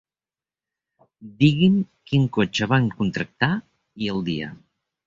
Digui'm quin cotxe van contractar i el dia.